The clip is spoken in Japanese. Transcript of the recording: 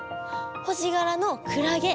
星がらのクラゲ。